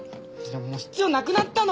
もう必要なくなったの！